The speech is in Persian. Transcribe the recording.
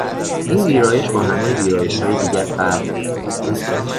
این ویرایش با همهی ویرایشهای دیگر فرق دارد.